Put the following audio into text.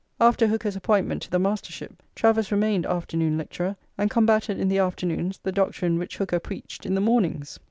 After Hooker's appointment to the Mastership, Travers remained afternoon lecturer, and combated in the afternoons the doctrine which Hooker preached in the mornings.